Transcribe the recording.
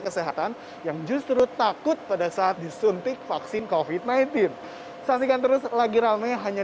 kesehatan yang justru takut pada saat disuntik vaksin covid sembilan belas saksikan terus lagi rame hanya